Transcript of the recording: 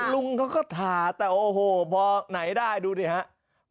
ลุงเขาก็ถ่าแต่โอ้โหพอไหนได้ดูดิครับ